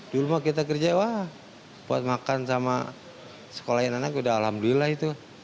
dulu mah kita kerja wah buat makan sama sekolahin anak udah alhamdulillah itu